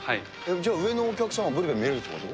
じゃあ、上のお客さんは、ブルペン見られるってこと？